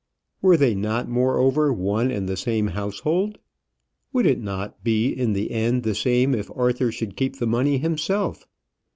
Were they not, moreover, one and the same household? Would it not be in the end the same if Arthur should keep the money himself?